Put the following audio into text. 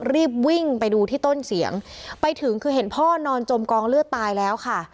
รีบวิ่งไปดูที่ต้นเสียงไปถึงคือเห็นพ่อนอนจมกองเลือดตายแล้วค่ะ